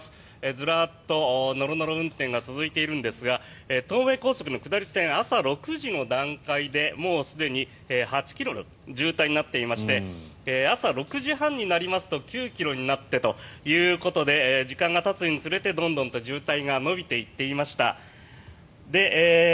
ずらっとノロノロ運転が続いているんですが東名高速の下り線朝６時の段階でもうすでに８ｋｍの渋滞になっていまして朝６時半になりますと９ｋｍになってということで時間がたつにつれて、どんどんと渋滞が延びていっていました。